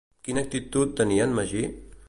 Quina actitud tenia en Magí?